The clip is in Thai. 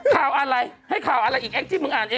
ข่าวอะไรให้ข่าวอะไรอีกอักทิวอ่านเองแล้วก่อน